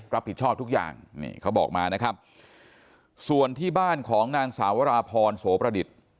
รับผิดชอบทุกอย่างนี่เขาบอกมานะครับส่วนที่บ้านของนางสาวราพรโสประดิษฐ์